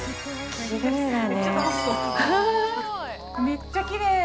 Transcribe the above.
◆めっちゃきれい。